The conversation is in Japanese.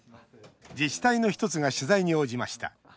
自治体の１つが取材に応じました。